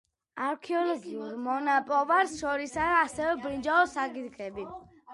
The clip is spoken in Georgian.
არქეოლოგიურ მონაპოვარს შორისაა ასევე ბრინჯაოს სადგისები.